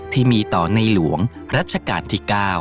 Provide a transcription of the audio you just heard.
ที่มีต่อในหลวงรัชกาลที่๙